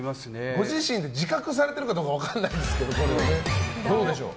ご自身で自覚されているか分からないですけどどうでしょう。